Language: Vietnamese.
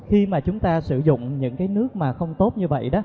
khi mà chúng ta sử dụng những cái nước mà không tốt như vậy đó